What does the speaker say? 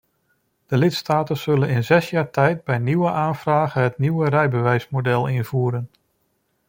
De lidstaten zullen in zes jaar tijd bij nieuwe aanvragen het nieuwe rijbewijsmodel invoeren.